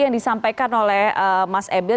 yang disampaikan oleh mas emil